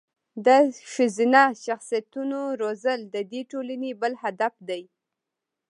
د ښځینه شخصیتونو روزل د دې ټولنې بل هدف دی.